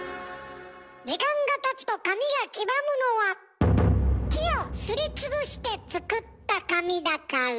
時間がたつと紙が黄ばむのは木をすりつぶして作った紙だから。